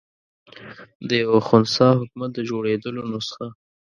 د یوه خنثی حکومت د جوړېدلو نسخه.